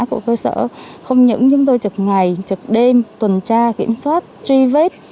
của cơ sở không những chúng tôi trực ngày trực đêm tuần tra kiểm soát truy vết